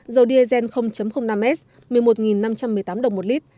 dầu diesel năm s một mươi một năm trăm một mươi tám đồng một lít giảm bốn trăm bốn mươi ba đồng một lít